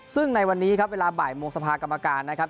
ซึ่งในวันนี้ครับเวลาบ่ายโมงสภากรรมการนะครับ